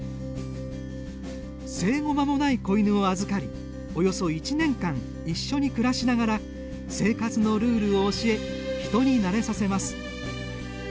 生後まもない子犬を預かりおよそ１年間一緒に暮らしながら生活のルールを教え人に慣れさせます。